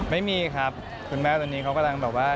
ไม่มีครับคุณแม่ตอนนี้เขากำลังแบบว่า